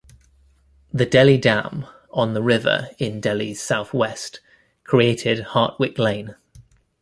The Delhi Dam on the river in Delhi's southwest created Hartwick Lake.